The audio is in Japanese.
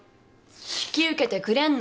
引き受けてくれんの？